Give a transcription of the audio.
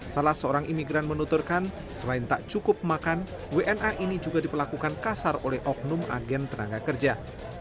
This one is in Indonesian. salah seorang imigran menuturkan selain tak cukup makan wna ini juga diperlakukan kasar oleh oknum agen tenaga kerja